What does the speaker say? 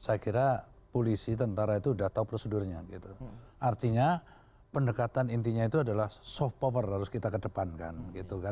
saya kira polisi tentara itu sudah tahu prosedurnya gitu artinya pendekatan intinya itu adalah soft power harus kita kedepankan gitu kan